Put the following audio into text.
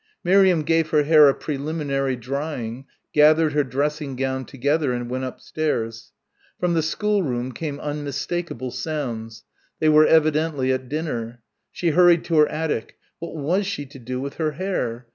Miriam gave her hair a preliminary drying, gathered her dressing gown together and went upstairs. From the schoolroom came unmistakable sounds. They were evidently at dinner. She hurried to her attic. What was she to do with her hair?